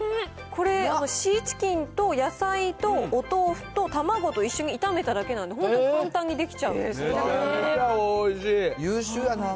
これ、シーチキンと野菜とお豆腐と卵と一緒に炒めただけなんで、本当、めちゃめちゃおいしい。